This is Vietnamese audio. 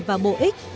và bổ ích